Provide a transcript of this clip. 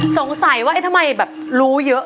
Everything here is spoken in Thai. สงสัยว่าเอ๊ะทำไมแบบรู้เยอะ